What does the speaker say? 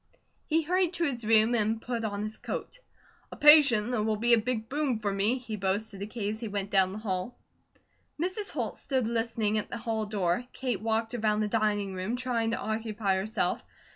He hurried to his room, and put on his coat. "A patient that will be a big boom for me," he boasted to Kate as he went down the hall. Mrs. Holt stood listening at the hall door. Kate walked around the dining room, trying to occupy herself.